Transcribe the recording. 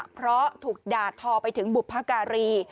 เพราะถูกด่าทอไปถึงบุพการี